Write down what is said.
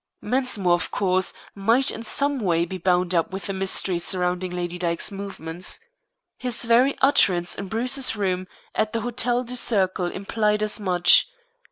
Mensmore, of course, might in some way be bound up with the mystery surrounding Lady Dyke's movements. His very utterance in Bruce's room at the Hotel du Cercle implied as much.